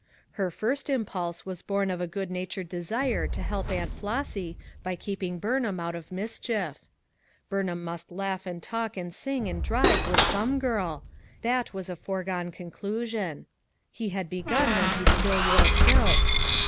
Her first impulse was born of a good natured desire to help Aunt Flossy by keeping Burn ham out of mischief. Burnham must laugh and talk and sing and drive with some girl; that was a foregone conclusion • he had begun when he still wore kilts.